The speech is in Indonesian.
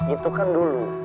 itu kan dulu